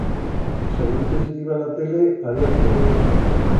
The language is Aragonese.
Seguntes deciba la tele, pa días pleve.